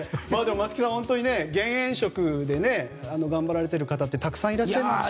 松木さん、減塩食で頑張られている方ってたくさんいらっしゃいますし。